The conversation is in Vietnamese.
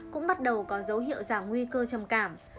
cũng bắt đầu có dấu hiệu giảm nguy cơ trầm cảm